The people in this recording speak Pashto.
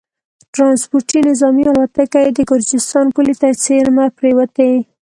ټرانسپورټي نظامي الوتکه یې د ګرجستان پولې ته څېرمه پرېوتې